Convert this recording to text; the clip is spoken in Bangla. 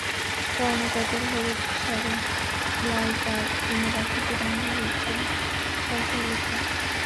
পরনে তাঁতের হলুদ শাড়ি, লাল পাড় কিংবা বাসন্তী রঙের শাড়িতে হলুদ পাড়।